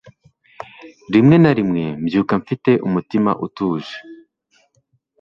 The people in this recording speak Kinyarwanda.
Rimwe na rimwe mbyuka mfite umutima utuje